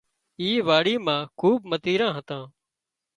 اي واڙِي مان کوٻ متيران هتان